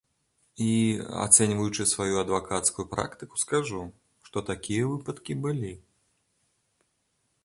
І, ацэньваючы сваю адвакацкую практыку, скажу, што такія выпадкі былі.